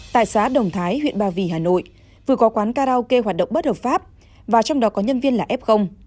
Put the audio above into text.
tại xã đồng thái huyện ba vì hà nội vừa có quán karaoke hoạt động bất hợp pháp và trong đó có nhân viên là f